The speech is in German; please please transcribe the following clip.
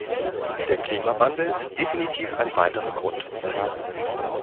Der Klimawandel ist definitiv ein weiterer Grund.